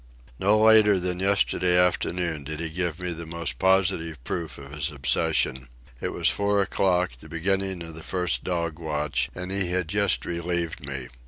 No later than yesterday afternoon did he give me most positive proof of his obsession. It was four o'clock, the beginning of the first dog watch, and he had just relieved me.